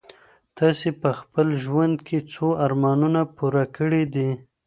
تاسي په خپل ژوند کي څو ارمانونه پوره کړي دي؟